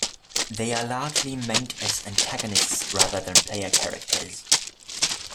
They are largely meant as antagonists rather than player characters.